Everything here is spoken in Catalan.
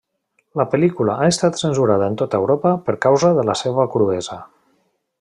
La pel·lícula ha estat censurada en tota Europa per causa de la seva cruesa.